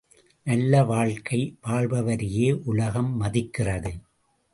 நல்ல வாழ்க்கை வாழ்பவரையே உலகம் மதிக்கிறது.